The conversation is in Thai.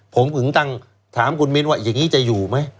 ผมถึงตั้งถามคุณมิ้นว่าอย่างนี้จะอยู่ไหม